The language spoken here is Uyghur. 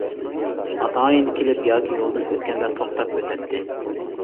ئاتايىن كېلىپ ياكى يولدىن ئۆتكەندە توختاپ ئۆتەتتى.